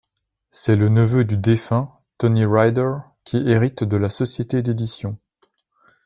C’est le neveu du défunt, Tony Ryder, qui hérite de la société d’édition.